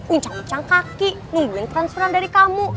uncang uncang kaki nungguin transferan dari kamu